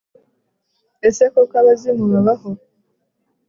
Ese koko abazimu babaho